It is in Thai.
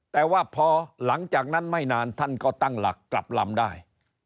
แต่ว่าพอหลังจากนั้นไม่นานท่านก็ตั้งหลักกลับลำได้